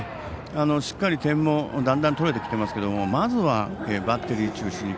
しっかり点もだんだん取れてきてますけどまずはバッテリー中心。